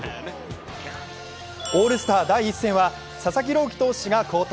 オールスター第１戦は佐々木朗希投手が好投。